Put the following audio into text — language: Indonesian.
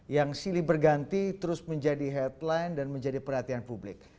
yang silih berganti terus menjadi headline dan menjadi perhatian publik